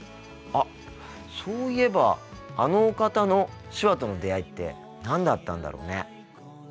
あっそういえばあのお方の手話との出会いって何だったんだろうね。